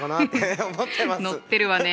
のってるわね。